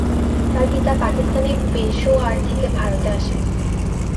তার পিতা পাকিস্তানের পেশোয়ার থেকে ভারতে আসেন।